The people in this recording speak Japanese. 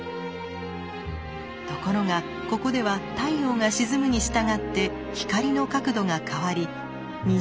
ところがここでは太陽が沈むにしたがって光の角度が変わり虹は上昇。